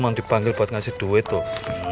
emang dipanggil buat ngasih duit tuh